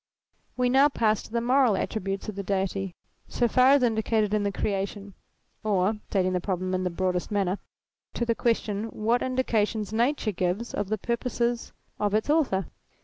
"We now pass to the moral attributes of the Deity, so far as indicated in the Creation; or (stating the problem in the broadest manner) to the question, what indications Nature gives of the purposes of its author.